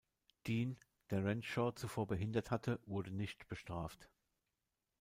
Dean, der Renshaw zuvor behindert hatte, wurde nicht bestraft.